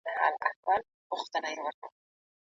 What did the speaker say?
موږ مسئلې حلوو.